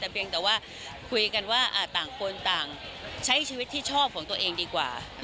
แต่เพียงแต่ว่าคุยกันว่าต่างคนต่างใช้ชีวิตที่ชอบของตัวเองดีกว่า